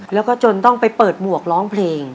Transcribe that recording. แล้วก็จนต้องไปเปิดหมวกร้องเพลง